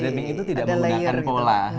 stming itu tidak menggunakan pola